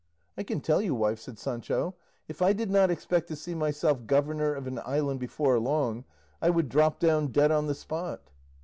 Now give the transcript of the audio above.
"I can tell you, wife," said Sancho, "if I did not expect to see myself governor of an island before long, I would drop down dead on the spot."